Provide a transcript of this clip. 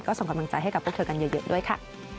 ส่งกำลังใจให้กับพวกเธอกันเยอะด้วยค่ะ